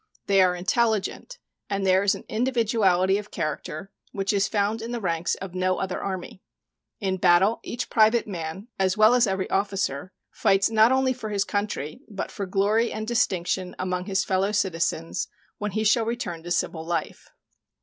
They are intelligent, and there is an individuality of character which is found in the ranks of no other army. In battle each private man, as well as every officer, rights not only for his country, but for glory and distinction among his fellow citizens when he shall return to civil life.